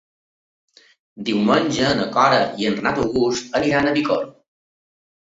Diumenge na Cora i en Renat August iran a Bicorb.